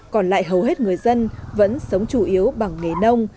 còn lại hầu hết người dân vẫn sống chủ yếu bằng nghề nông